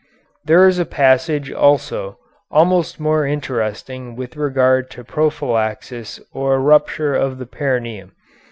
There is a passage, also, almost more interesting with regard to prophylaxis of rupture of the perineum.